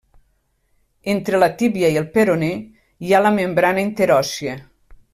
Entre la tíbia i el peroné hi ha la membrana interòssia.